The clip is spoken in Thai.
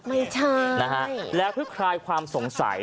ไม่ใช่นะฮะแล้วเพื่อคลายความสงสัย